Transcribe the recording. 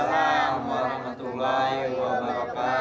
ya allah kemana tuh orangnya